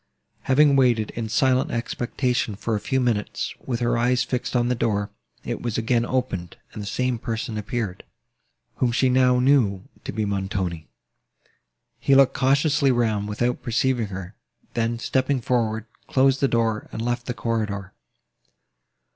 Having waited in silent expectation for a few minutes, with her eyes fixed on the door, it was again opened, and the same person appeared, whom she now knew to be Montoni. He looked cautiously round, without perceiving her, then, stepping forward, closed the door, and left the corridor.